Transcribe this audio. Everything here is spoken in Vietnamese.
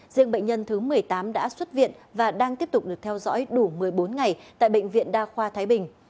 riêng bệnh nhân thứ một mươi tám đã xuất viện và đang tiếp tục được theo dõi đủ một mươi bốn ngày tại bệnh viện đa khoa thái bình